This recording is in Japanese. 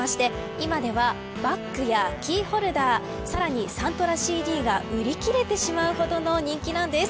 今ではバッグやキーホルダーさらにサントラＣＤが売り切れてしまうほどの人気なんです。